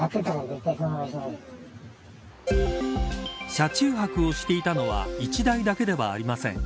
車中泊をしていたのは１台だけではありません。